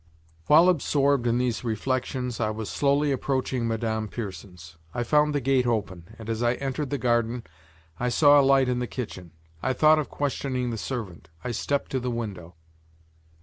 While absorbed in these reflections, I was slowly approaching Madame Pierson's. I found gate open, and as I entered the garden, I saw a light in the kitchen. I thought of questioning the servant, I stepped to the window.